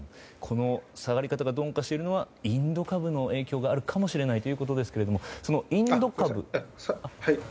下がり方が鈍化しているのはインド株の影響があるかもしれないということですが。